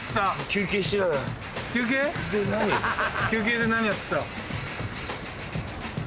休憩で何やってた？